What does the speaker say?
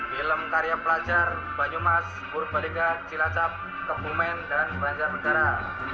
film karya pelajar banyumas purbalingga cilacap kepumen dan pelancar negara